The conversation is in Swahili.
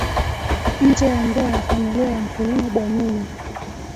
nje ya ndoa ya familia ya mkulima bwanyenye